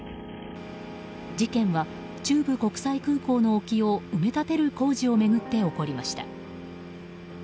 事件は、中部国際空港の沖を埋め立てる工事を巡って起こりました。